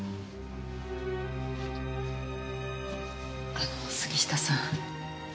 あの杉下さん。